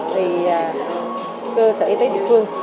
thì cơ sở y tế địa phương